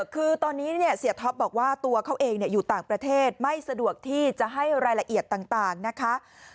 คือตอนนี้เสียท็อปบอกว่าตัวเขาเองอยู่ต่างประเทศไม่สะดวกที่จะให้รายละเอียดต่างนะคะ